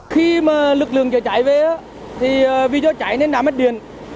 khi mà lực lượng chữa cháy về thì vì do cháy nên đã mất điện